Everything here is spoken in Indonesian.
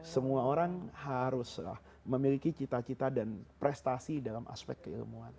semua orang haruslah memiliki cita cita dan prestasi dalam aspek keilmuan